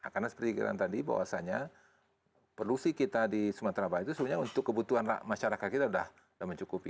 karena seperti dikira tadi bahwasanya produksi kita di sumatera barat itu sebenarnya untuk kebutuhan masyarakat kita sudah mencukupi